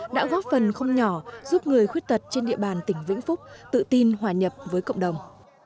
đã góp phần không nhỏ giúp người khuyết tật trên địa bàn tỉnh vĩnh phúc tự tin hòa nhập với cộng đồng